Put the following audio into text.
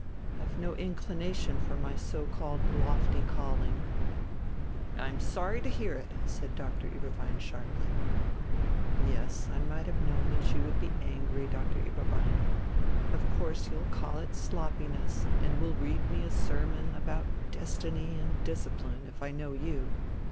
I've no inclination for my so called lofty calling." "I'm sorry to hear it!" said Doctor Ueberbein sharply. "Yes, I might have known that you would be angry, Doctor Ueberbein. Of course you'll call it sloppiness, and will read me a sermon about 'destiny and discipline,' if I know you.